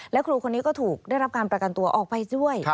และครูคนนี้ก็ถูกได้รับการประกันตัวออกไปด้วย